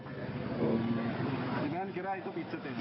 dengan kira itu picut ya